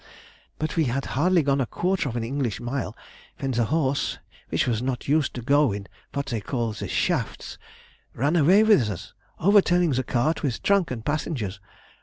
But we had hardly gone a quarter of an English mile when the horse, which was not used to go in what they called the shafts, ran away with us, overturning the cart with trunk and passengers.